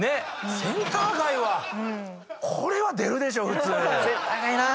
センター街はこれは出るでしょう普通。